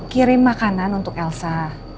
kirim makanan untuk elsa